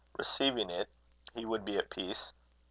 Receiving it, he would be at peace.